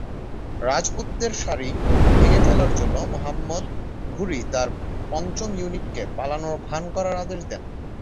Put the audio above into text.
রাজপুতদের সারি ভেঙে ফেলার জন্য মুহাম্মদ ঘুরি তার পঞ্চম ইউনিটকে পালানোর ভান করার আদেশ দেন।